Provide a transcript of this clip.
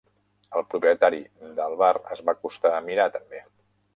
El propietari del bar es va acostar a mirar, també.